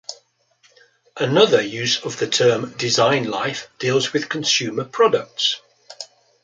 Another use of the term design-life deals with consumer products.